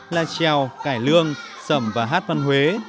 là treo cải lương sầm và hát văn huế